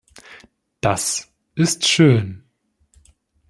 Das ist schön!